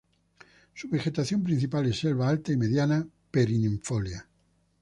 Su vegetación principal es selva alta y mediana perennifolia.